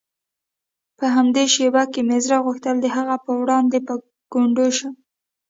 په همدې شېبه کې مې زړه غوښتل د هغه په وړاندې په ګونډو شم.